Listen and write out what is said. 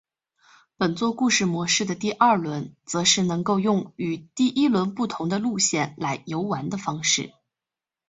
本作故事模式的第二轮则是能够用与第一轮不同的路线来游玩的方式。